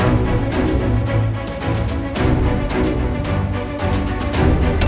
mbak tolongin mbak mbak